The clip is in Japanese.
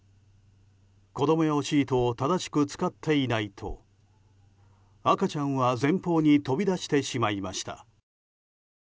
子供用シートを正しく使っていないと赤ちゃんは前方に飛び出してしまいました。